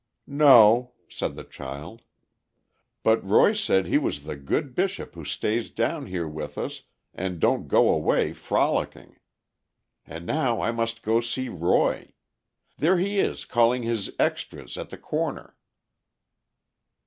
"No," said the child, "but Roy said he was the good Bishop who stays down here with us, and don't go away frolicking. And now I must go to see Roy. There he is calling his extras at the corner."